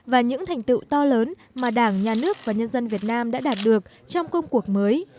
và những thành tựu to lớn mà đảng nhà nước và nhân dân việt nam đã đạt được trong công cuộc mới